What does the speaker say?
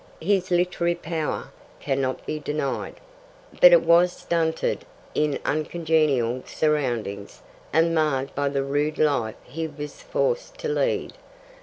His literary power cannot be denied, but it was stunted in uncongenial surroundings and marred by the rude life he was forced to lead.